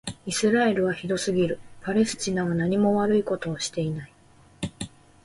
イスラエルはひどすぎる。パレスチナはなにも悪いことをしていない。